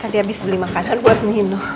nanti abis beli makanan buat nih nuh